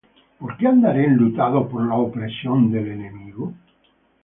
¿Por qué andaré enlutado por la opresión del enemigo?